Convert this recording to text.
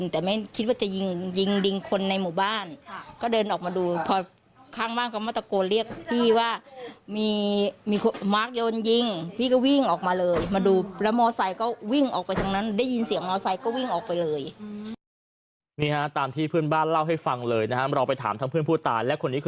ตามที่เพื่อนบ้านเล่าให้ฟังเลยนะเราไปถามทั้งเพื่อนผู้ตายและคนนี้